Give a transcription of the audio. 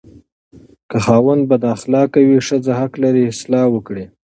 که خاوند بداخلاقه وي، ښځه حق لري اصلاح وکړي.